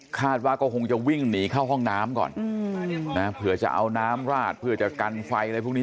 คาดว่าก็คงจะวิ่งหนีเข้าห้องน้ำก่อนนะเผื่อจะเอาน้ำราดเพื่อจะกันไฟอะไรพวกนี้